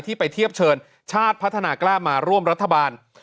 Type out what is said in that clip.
ไปเทียบเชิญชาติพัฒนากล้ามาร่วมรัฐบาล